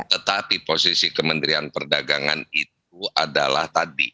tetapi posisi kementerian perdagangan itu adalah tadi